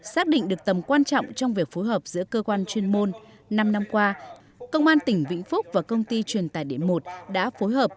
xác định được tầm quan trọng trong việc phối hợp giữa cơ quan chuyên môn năm năm qua công an tỉnh vĩnh phúc và công ty truyền tài điện một đã phối hợp